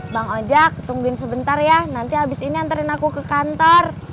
bang ajak tungguin sebentar ya nanti habis ini antarin aku ke kantor